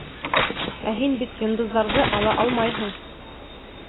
Ә һин бит йондоҙҙарҙы ала алмайһың!